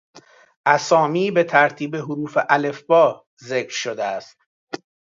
اسامی به ترتیب حروف الفبا ذکر شده است.